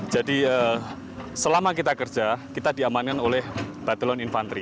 jadi selama kita kerja kita diamankan oleh batalon infantry